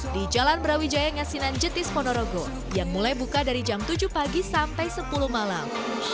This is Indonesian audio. di jalan brawijaya ngasinan jetis ponorogo yang mulai buka dari jam tujuh pagi sampai sepuluh malam